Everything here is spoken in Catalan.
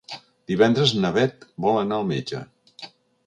Divendres na Bet vol anar al metge.